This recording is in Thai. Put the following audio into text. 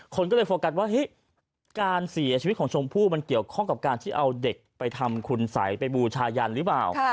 คนก็เลยโฟกัสว่าเฮ้ยการเสียชีวิตของชมพู่มันเกี่ยวข้องกับการที่เอาเด็กไปทำคุณสัยไปบูชายันหรือเปล่า